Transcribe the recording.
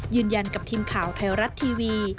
ยืนยันกับทีมข่าวไทยรัฐทีวี